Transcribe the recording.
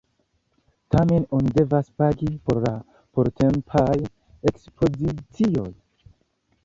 Tamen oni devas pagi por la portempaj ekspozicioj.